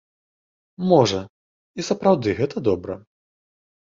Можа, і сапраўды гэта добра.